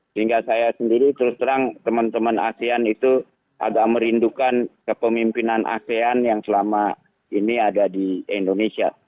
sehingga saya sendiri terus terang teman teman asean itu agak merindukan kepemimpinan asean yang selama ini ada di indonesia